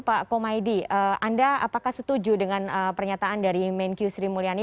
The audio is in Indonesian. pak komaydi anda apakah setuju dengan pernyataan dari menkyu sri mulyani